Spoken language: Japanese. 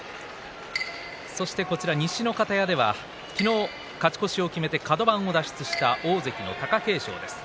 そして西の方屋では昨日勝ち越しを決めてカド番を脱出した大関の貴景勝です。